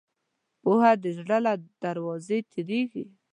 پوهه د زړه له دروازې تېرېږي.